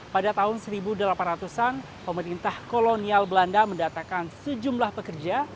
pada tahun seribu delapan ratus an pemerintah kolonial belanda mendatakan sejumlah pekerja